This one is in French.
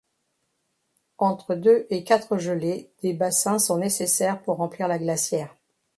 Entre deux et quatre gelées des bassins sont nécessaires pour remplir la glacière.